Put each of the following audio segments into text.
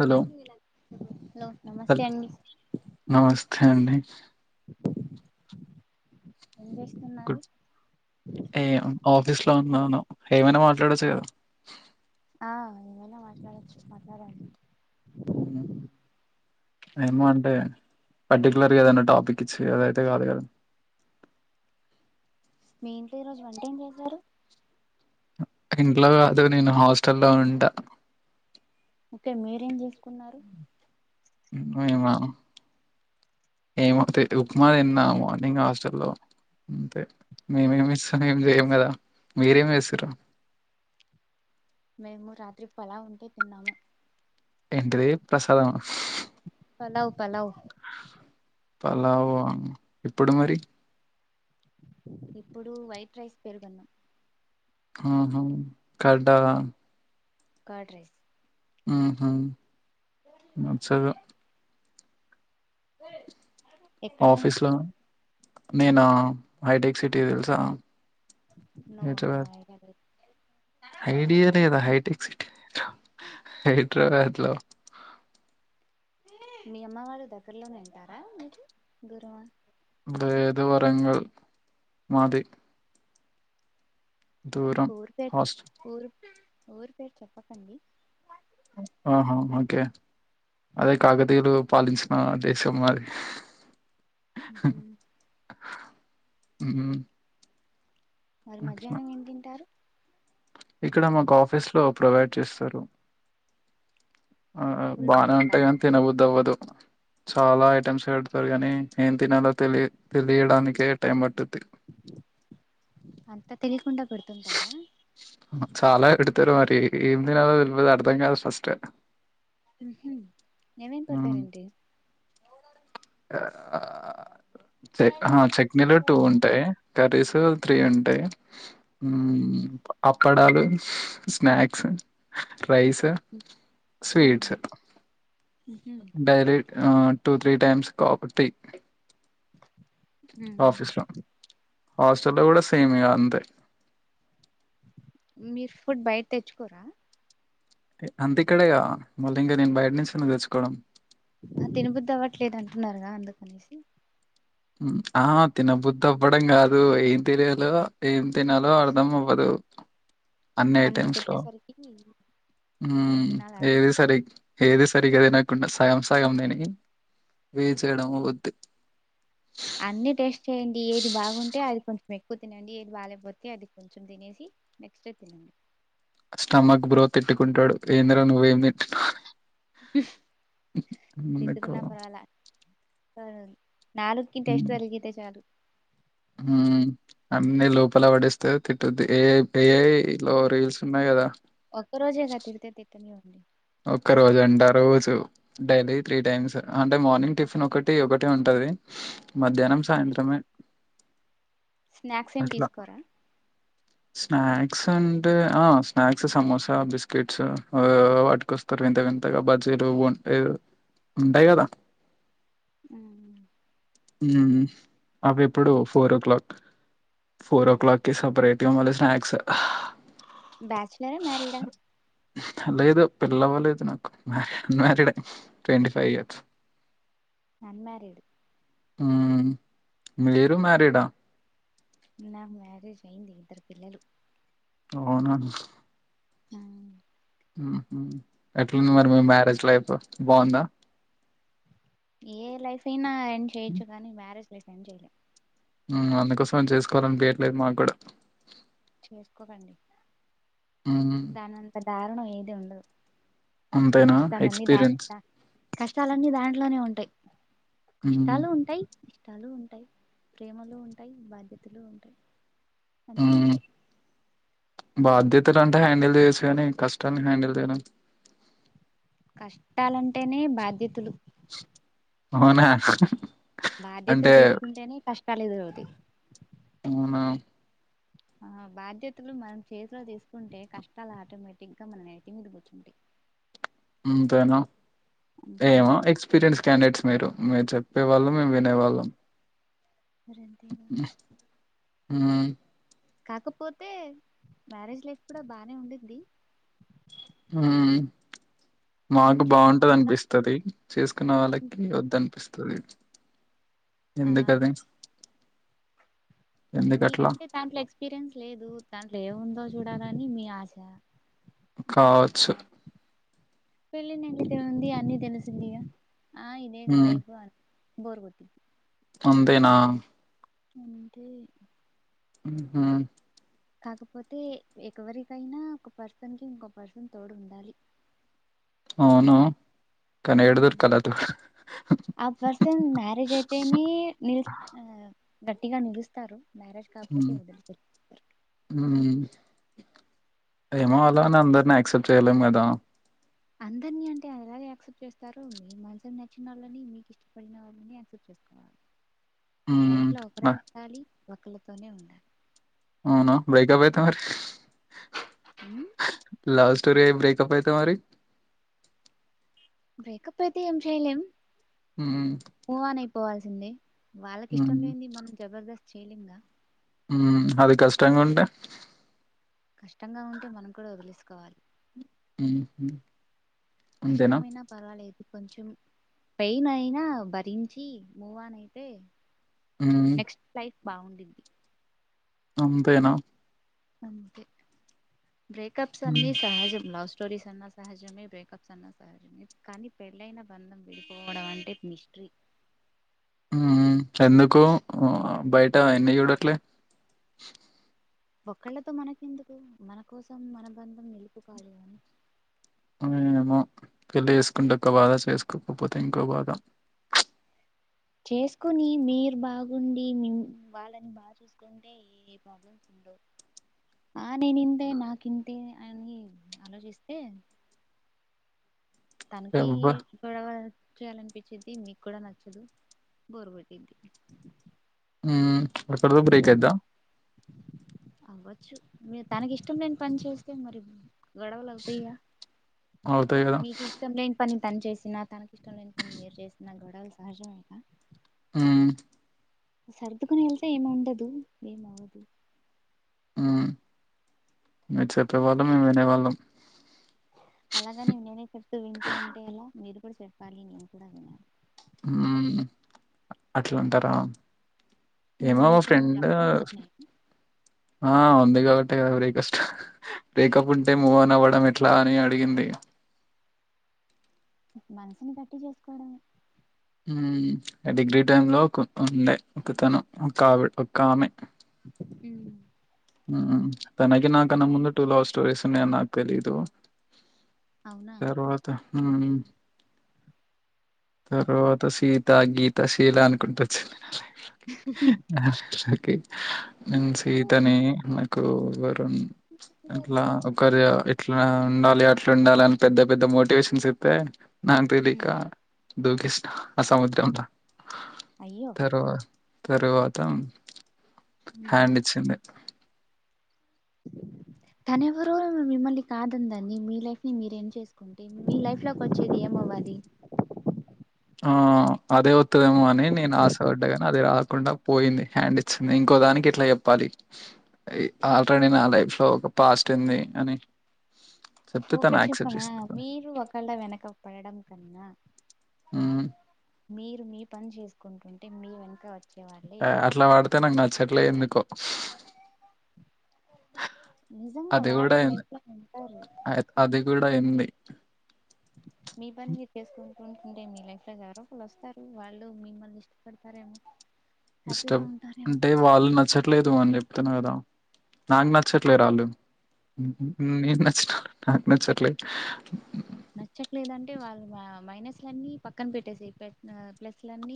Hello hello నమస్తే అండి ఎవండి ఏం గు చేస్తున్నారు ఏ ఆఫీస్ లో ఉన్నాను ఏమైనా మాట్లాడొచ్చు కద ఆ ఎమైన మాట్లాడొచ్చు మాట్లాడండి మ్మ్ ఏమో అంటే పర్టిక్యులర్గ ఏదనా టాపిక్ ఇచ్చి అదైతే కాదు కదా మీ ఇంట్లో ఈ రోజు వంట ఏం చేశారు ఇంట్లో కాదు నేను హాస్టల్లో ఉంటా అయితే మీరేం చేసుకున్నారు మేమ ఏమో తెరు ఉప్మా తిన్న మార్నింగ్ హాస్టల్లో అంతే మేమేమి ఇస్తనే ఏం చేయం కదా మీరేమి చేసిరు మేము రాత్రి పలావ్ ఉంటే తిన్నాము ఏంటిది ప్రసాదమ పలవ్ పలవ్ పలావ ఇప్పుడు మరి ఇప్పుడు వైట్ రైస్ పెరుగన్నం ఆహా కర్డా కర్డ్ రైస్ హ్మ్ హు సరే ఏయ్ ఆఫీస్ల నేనా హైటెక్ సిటీ తెలుసా నో నో హైదరాబాద్ ఐడియా లేదు ఐడియా హైటెక్ సిటీ హైదరాబాద్లో మీ అమ్మ వాళ్ళు దగ్గరలోనే ఉంటారా మీకు దూరమ లేేదు వరంగల్ మాది దూరం ఊరు పేరు హాస్టల్ ఊరు ఊరు పేరు చెప్పకండి ఆహా ఓకే అదే కాకతీయులు పాలించిన దేశం మాది హ్మ్ హు మ్ హు మరి మధ్యాహ్నం ఏం తింటారు ఇక్కడ మాకు ఆఫీస్లో ప్రొవైడ్ చేస్తారు ఆ ఫుల్ బానే వర్క్ ఉంటాయి కాని తిన బుద్ది అవ్వదు చాలా ఐటమ్స్ పెడతారు కాని ఏం తినాలో తెలి తెలియడానికే టైమ్ పట్టుద్ది అంతా తెలియకుండా పెడుతుంటారా చాలా ఎడతారు మరి ఏం తినలో తెల్వదు అర్థం కాదు ఫస్ట్ ఏమేం పడతారేంటి చట్నీలు టూ ఉంటాయి కర్రీస్ త్రి ఉంటాయి ఉమ్ అప్పడాలు స్నాక్స్ రైస్ ఉమ్ స్వీట్స్ ఉహు డైలీ ఆ టూ త్రీ టైమ్స్ కాఫీ ఉమ్ ఆఫీసులో హాస్టల్ కూడా సేమే ఇంకా అంతే మీరు ఫుడ్ బయట తెచ్చుకోరా అంత ఇక్కడేగా మళ్ళీ ఇంకా నేను బయట నుంచి ఎందుకు తెచ్చుకోవడం తినబుద్ధి అవ్వట్లేదు అంటున్నారుగా అందుకనేసి ఆ తినబుద్ధి అవ్వడం కాదు ఏం తినలో ఏం తినాలో అర్ధం అవ్వదు అన్ని ఐటెమ్స్ లో ఏం తినాలి అర్థం ఏది సరే ఏది సర్ సరిగాదనకుండా సగ సగం తిని వేస్ట్ చేయడం అవుద్ది అన్ని టేస్ట్ చేయ్యడి ఏది బాగుంటే అది కొంచెం ఎక్కువ తినండి ఏది బాలేకపోతే అది కొంచెం తినేసి నెక్స్ట్ స్టొమక్ బ్రో తిట్టుకుంటాడు ఏంద్ర నువ్వేమి తింటు తితుకున్నా పర్వాలా నాలుగుకి టెస్ట్ తగిలితే చాలు ఉమ్ అన్ని లోపల పడిస్తే తిట్టుద్ ఏ ఏ లో రీల్స్ ఉన్నాయి కదా ఒక్క రోజే కదా తిడితే నీవు ఒక్క రోజు అంట రోజు డైలీ త్రీ టైమ్స్ అంటే మార్నింగ్ టిఫిన్ ఒకటి ఒకటి ఉంటది టాది మధ్యాహ్నం సాయంత్రమే స్నాక్స్ ఏమి అట్లా తీసుకోరా స్నాక్స్ అంటే ఆ స్నాక్స్ సమోస బిస్కెట్స్ ఏ ఏ కొస్తారు వింత వింతగా బజీలు ఉంటా ఉంటాయి కదా ఆ అవి ఇప్పుడు four o'clock four o'clock సపరేట్గా మళ్లీ స్నాక్స్ బ్యాచలరా మరీడా లేదు పిల్లవలేదు నాకు unmarried twenty five years and married ఉమ్ మీరు మ్యారిడా నాకు మ్యారేజ్ అయింది ఇద్దరు పిల్లలు అవునా ఎట్లుంది మరి మీ మ్యారేజ్ లైఫ్ బాగుందా ఏ లైఫ్ అయినా ఎండ్ చేయొచ్చు కానీ మ్యారేజ్ లైఫ్ ఎండ్ చేయలే అందుకోసం చేసుకోవాలనిపయట్లేదు మాకు కూడా చేసుకోకండి ఉహు దానంత దారుణం ఏది ఉండదు అంతేనా కష్టాలన్నీ దా ఎక్స్పీరియన్స్ కష్టాలన్నీ దాంట్లోనే ఉంటాయి మ్మ్. కష్టాలు ఉంటాయి ఇష్టాలు ఉంటాయి ప్రేమలు ఉంటాయి బాధ్యతలు ఉంటాయి అన్నీ ఉంటాయి బాధ్యతలన్టే హ్యాండిల్ చేయచ్చు కాని కష్టాలని హ్యాండిల్ చేయలేం కష్టాలంటేనే బాధ్యతలు అవునా బాధ్యతలు అంటే తీసుకుంటేనే కష్టాలు ఎదురవుతయ్ అవునా ఆ బాధ్యతలు మనం చేతిలో తీసుకుంటే కష్టాలు ఆటోమేటిక్ గా మన నెత్తి మీద కూచుంటాయి అంతేనా అంతే ఏమో ఎక్స్పీరియన్స్ క్యాండేట్స్ మీరు మీరు చెప్పే వాళ్ళం మేము వినేవాళ్ళం మరి అంతేగా హ కాకపోతే మ్యారేజ్ లైఫ్ కూడా బానే ఉండిద్ది ఉ మాకు కొంచెం బాగుంటది కష్టంగా అనిపిస్తది చేసుకున్న కొంచెం వాళ్ళకి వద్దు కష్టంగా అనిపిస్తది ఆ ఎందు కాది మీకంటే దాంట్లో ఎక్స్పీరియన్స్ లేదు దాంట్లో ఏముందో చూడాలని మీ ఆశ కావచ్చు పెళ్ళి నింటి దేముంది అన్నీ తెలిసింది గా ఆ ఇదేగా మ్మ్ లైఫ్ అని బోర్ కొట్టిద్ధి అంతే నా అంటే హా కాకపోతే ఎవరికైనా ఒక పర్సన్ కి ఇంకో పర్సన్ తోడు ఉండాలి అవునా కానీ ఏడ ఉమ్. దొరకాలి అదృ ఆ పర్సన్ మ్యారేజ్ అయితేనే ని గట్టిగా నిలుస్తారు మ్యారేజ్ కాకపోతే మ్మ్ వదిలిరు మ్మ్ ఏమో ఆలా అని అందరినీ యాక్సెప్ట్ చేయలేం కదా అందరిని అంటే ఏలాగ యాక్సెప్ట్ చేస్తారు మీ మనష నచ్చిన వాళ్ళని మీకు ఇష్టపడిన వాళ్ళని ఆక్సిప్టు చేస్తా లైఫ్ మ్మ్ లో ఒకరే ఉండాలి ఒకళతోనే ఉండాలి అవునా బ్రేకప్ అయితే మరి హ లవ్ స్టోర ఐ బ్రేకప్ అయితే మరి బ్రేకప్ అయితే ఏం చేయలేం మ్మ్ మూవ్ ఆన్ అయిపోవల్సిందే వాళ్ళకి ఇష్టం మ్మ్ లేది మనం జబర్దస్త్ చేయలింగా ఉ అది కష్టంగా ఉంటే కష్టంగా ఉంటే మనం కూడా వదిలేసుకోవాలి హ్మ్ హ్మ్ అంతేనా కష్టమైనా పర్వాలేదు కొంచెం పెయిన్ అయినా భరించి మూవాన్ అయితే మ్మ్ నెక్స్ట్ లైఫ్ బాగుండిద్ది అంతేనా అంతే బ్రేకప్స్ అన్ని సహజం లాస్ట్ లొ స్టోరీస్ అన్నా సహజమే బ్రేకప్స్ అన్నా సహజమే కానీ పెళ్ళైన బంధం విడిపోవడం అంటే మిస్టరీ [inaudible] మ్ హూ ఎందుకో బయటా ఎన్ని చూడట్లే ఒకళ్ళతో మనకెందుకు మన కోసం మన బంధం నిలుపుకోవాలి అని ఏమో పెళ్లి చేేసుకుంటే ఒక్క బాధ చేసుకోకపోతే ఇంకో బాధ. చేసుకొని మీరు బాగుండి వాళ్ళని బాగా చూసుకుంటే ఏ ప్రాబ్లమ్ [inaudible] ఆ నేనింతే నాకి ఇంతే అని ఆలోచిస్తే తనకి యబ్బా గొడవ పడడం చేయాలనిపించిది మీకు కూడా నచ్చదు బోరు కొట్టింది హ్మ్ వచ్చేలోపు వీక్ అయిద్దా తనకి ఇష్టం లేని పని చేస్తే మరి గొడవలు అవుతాయా అవుతాయి కదా మీకు ఇష్టం లేని పని తను చేసినా తనకి ఇష్టం లేని పని మీరు చేసిన గొడవలు సహజమే కదా హ్మ్ సర్దుకుని వెళ్తే ఏమ ఉండదు ఏమవ్వదు ఉ మీరు చెప్పే వాళ్ళం మేము వినేవాళ్ళం. అలాగని నేనే చెప్తూ వింటూ ఉంటే ఎలా మీరు కూడా చెప్పాలి నేను కూడా వినాలి. హ్మ్ అట్లాంటారా మ్, ఏమో మా మీకేమైనా ఫ్రెండ్ లవ్ స్టోరీస్ ఉన్నాయా ఆ ఉంది కాబట్టి బ్రేక్స్ బ్రేకప్ ఉంటే మూవ్ అన్ అవ్వడం ఎట్లా అని అడిగింది. మనసుని గట్టి చేసుకోవడం డిగ్రీ టైమ్ లో ఉండే ఒకతను ఒక ఆవిడ ఒక ఆమె హ్మ్ హ తనకు నాకన్న ముందు టూ లవ్ స్టోరీస్ ఉన్నాయి అని నాకు తేలీదు. అవునా తర్వాత తర్వాత సీత, గీత, శీల అనుకుంట వచ్చి వినాలి నేను సీతని నాకు ఇవ్వరు అట్లా ఒకరు అట్లా ఉండాలి అట్లా ఉండాలి అని పెద్ద పెద్ద మోటివేషన్స్ ఇస్తే నా పెళ్లి ఇక మ్, దుఃఖిస్తా ఆ సముద్రమంత అయ్యో తర్వాత తరువాత మ్, హ్యాండ్ ఇచ్చింది. [inaudible] తనెవరో మిమ్మల్ని కాదనిందాన్ని మీ లైఫ్ ని మీరేం చేసుకుంటే మీ లైఫ్ లోకి వచ్చేది ఏం ఏమవ్వాలి ఆ [inaudible] అదే వస్తుందేమోనని అని నేను ఆశపడ్డగాని అది రాకుండా పోయింది హ్యాండ్ ఇచ్చింది ఇంకో దానికి ఇట్లా చెప్పాలి. ఆల్రెడీ నా లైఫ్ లో ఒక పాస్ట్ ఉంది అని. చెప్తే తను ఒకటి యాక్సెప్ట్ చెప్పనా చేస్తది. మీరు ఒకళ్ల వెనక పడడం కన్నా మ్ మీరు మీ పని చేసుకుంటుంటే మీ వెనుక వచ్చ అట్లా పడితే నాకు నచ్చట్లే ఎందుకో నిజంగా అది కూడా వాళ్ళే అయింది లైఫ్ లో ఉంటారు అది కూడా అయింది. మీ పని మీరు చేసుకుంటె అంటే మీ లైఫ్ లో ఎవరో ఒకళ్ వస్తారు. వాళ్ళు మిమ్మల్ని ఇష్టపడతారేమో. ఇష్టం హ్యాపీగా ఉంటారేమో అంటే వాళ్ళు నచ్చట్లేదు అని చెప్పి చెప్పినాను కదా నాకు నచ్చట్లేరు వాళ్ళు మ్ నీకు నచ్చినోళ్ళు నాకు నచ్చట్లే నచ్చట్లేదంటే వాళ్ళు మైనస్లన్నీ పక్కన పెట్టేసేయి పెట్నా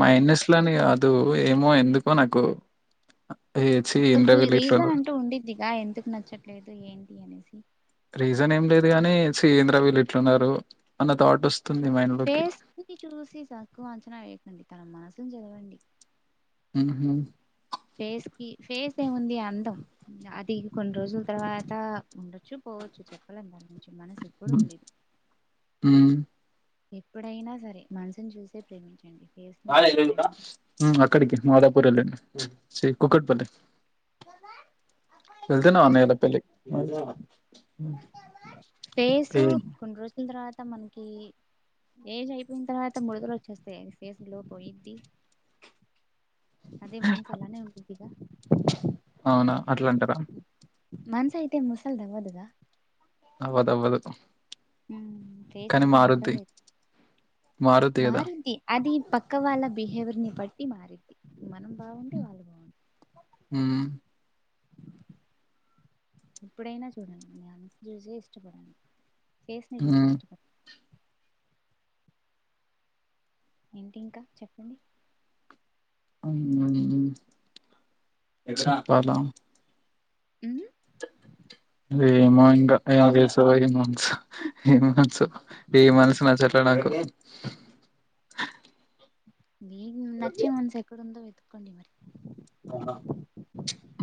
మైనస్లని కాదు ఏమో ఎందుకో నాకు ఏ ఛీ! ఒక ఏందిరా వీళ్ళు రీజన్ ఇట్లున్నారు. అంటూ ఉండిద్దిగా ఎందుకు నచ్చట్లేదు ఏంటి అనేసి రీజన్ ఏం లేదు గాని చి ఎంద్ర వీళ్ళు ఇట్లున్నారు అన్న థాటోస్ పేస్ చూసి చక్కువ అంచనా వేయకండి తన మనసును చదవండి మ్ హు ఫేస్ కి ఫేస్ ఏముంది అందం అది కొన్ని రోజుల తర్వాత ఉండొచ్చు పోవచ్చు చెప్పలేమ్ దాన్ని మనసు ఎప్పుడు హ్మ్. ఉండేది హ్మ్. ఎప్పుడైనా సరే మనసుని చూసే ప్రేమించండి ఫేస్ ని చూసి ప్రేమించండి అక్కడికి మాదాపూర్ల్ కుక్కట్పల్లి వెళ్తేనా ఆనేలా పలే ఫేస్ కొన్ని రోజుల తర్వాత మనకి ఏజ్ అయిపోయిన తర్వాత మడుతలు వచ్చేస్తాయి ఫేస్ గ్లో పోయిద్ది అదే మన్సలనే ఉండిద్ది గ అవునా అట్లా అంటారా మనసు అయితే ముసల్ది అవ్వదుగా అవ్వదవ్వదు మ్ ఫస్ అయితే ముసల్ది మారుద్ది కదా మారుంది అది పక్క వాళ్ళ బిహేవియర్ ని బట్టి మారింది మనం బాగుంటే వాళ్ళు బాగుం మ్మ్ ఎప్పుడైనా చూడండి మనసు చూసి ఇష్టపడండి పేస్ ని చూసి మ్మ్ ఇష్టపడ్ ఏంటి ఇంకా చెప్పండి చెప్పాల మ్ ఏమో ఇంగ ఏం రిల్సొ ఏ మనసు ఏ మనసు ఏ మనసునచ్చట్లే నాకు మీకు నచ్చిన మనసు ఎక్కడుందో వెతుక్కోండి మరి అ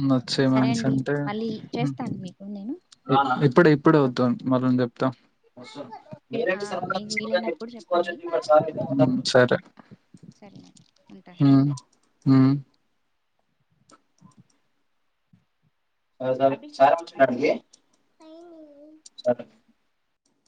నచ్చే సరే అండి మనసంటే మళ్ళీ చేస్తాను మీకు నేను ఇప్పుడు ఇప్పుడే ఒక వద్దు మనం చెప్ మీర ఆ సగా మీకు వీలైనప్పుడు తీకోచ్చ చెప్పండి తీకోవచ్చర సరేనండి ఉంటా మ్మ్ స సార్ అభిష్ సార్డిడి సరే